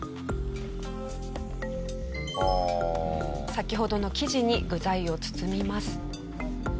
先ほどの生地に具材を包みます。